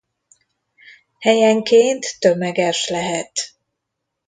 Helyenként tömeges lehet.